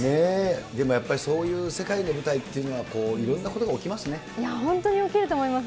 でもやっぱりそういう世界の舞台というのは、いろんなことがいやー、本当に起きると思います。